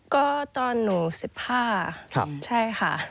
ก็ตอนหนู๑๕ใช่ค่ะ